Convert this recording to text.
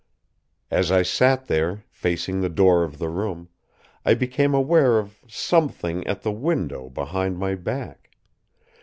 As I sat there, facing the door of the room, I became aware of Something at the window behind my back.